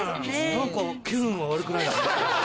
何か気分は悪くないですね。